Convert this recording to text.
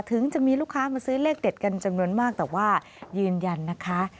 ถึงจะมีลูกค้ามาซื้อเลขเด็ดกันจำนวนมากแต่ว่ายืนยันนะคะ